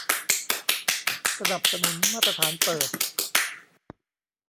สนับสนุนมาตรฐานเปิด